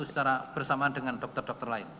secara bersama dengan dokter dokter lain